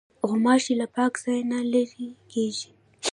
غوماشې له پاک ځای نه لیري کېږي.